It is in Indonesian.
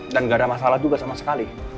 gak ada masalah juga sama sekali